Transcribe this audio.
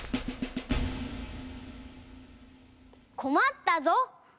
こまったぞ！